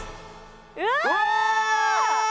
うわ！